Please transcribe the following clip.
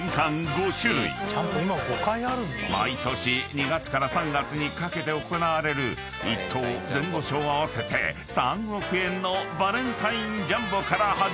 ［毎年２月から３月にかけて行われる１等・前後賞合わせて３億円のバレンタインジャンボから始まり］